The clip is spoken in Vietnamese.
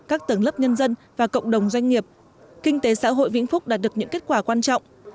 các tầng lớp nhân dân và cộng đồng doanh nghiệp kinh tế xã hội vĩnh phúc đạt được những kết quả quan trọng